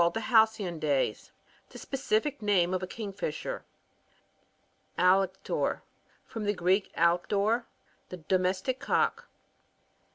ed the Halcyon days,) The specific name of a kingfisher. Alector. — From the Greek, alektOr^ the domestic cock.